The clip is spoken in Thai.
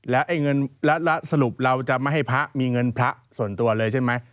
แล้วไอ้เงินแล้วสรุปเราจะไม่ให้พระมีเงินพระส่วนตัวเลยใช่ไหม